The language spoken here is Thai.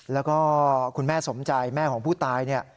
แล้วก็คุณแม่สมใจแม่ของผู้ตายเนี่ย